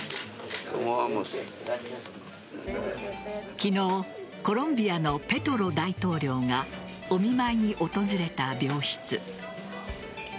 昨日コロンビアのペトロ大統領がお見舞いに訪れた病室。